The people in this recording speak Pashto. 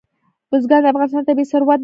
بزګان د افغانستان طبعي ثروت دی.